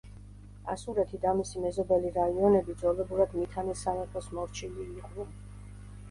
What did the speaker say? ასურეთი და მისი მეზობელი რაიონები ძველებურად მითანის სამეფოს მორჩილი იყვნენ.